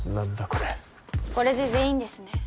これこれで全員ですね